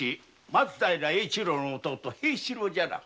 松平英一郎の弟平四郎じゃな。